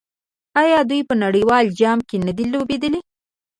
آیا دوی په نړیوال جام کې نه دي لوبېدلي؟